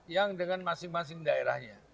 yang dengan masing masing daerahnya